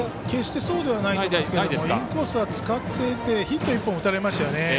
決してそうではないですがインコース使っていてヒット１本打たれましたよね。